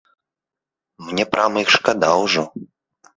Мне прама іх шкада ўжо.